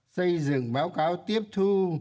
xây dựng báo cáo tiếp thu